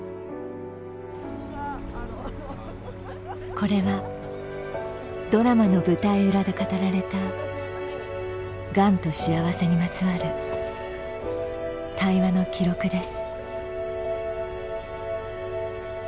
これはドラマの舞台裏で語られたがんと幸せにまつわる対話の記録です。